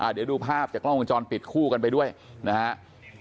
เดี๋ยวดูภาพจากกล้องวงจรปิดคู่กันไปด้วยนะครับ